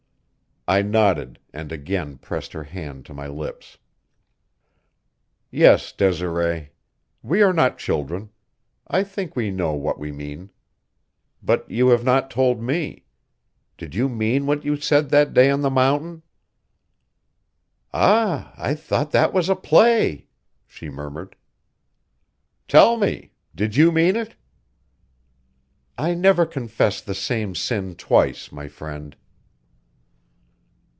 I nodded and again pressed her hand to my lips. "Yes, Desiree. We are not children. I think we know what we mean. But you have not told me. Did you mean what you said that day on the mountain?" "Ah, I thought that was a play!" she murmured. "Tell me! Did you mean it?" "I never confess the same sin twice, my friend."